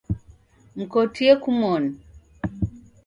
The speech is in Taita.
Mkotie kumoni.